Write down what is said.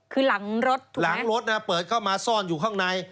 คือหลังรถหลังรถนะเปิดเข้ามาซ่อนอยู่ข้างใน